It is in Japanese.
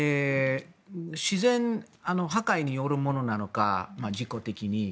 自然破壊によるものなのか事故的に。